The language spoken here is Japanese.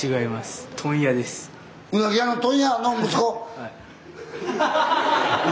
⁉はい。